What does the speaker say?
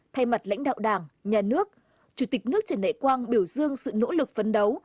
thay mặt lãnh đạo đảng nhà nước chủ tịch nước trần đại quang biểu dương sự nỗ lực phấn đấu